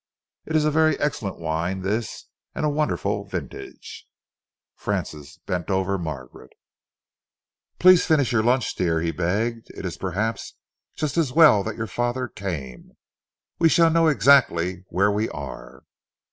It is a very excellent wine, this, and a wonderful vintage." Francis bent over Margaret. "Please finish your lunch, dear," he begged. "It is perhaps just as well that your father came. We shall know exactly where we are."